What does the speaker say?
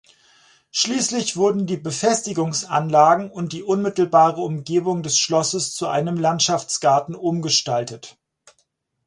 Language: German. Schließlich wurden die Befestigungsanlagen und die unmittelbare Umgebung des Schlosses zu einem Landschaftsgarten umgestaltet.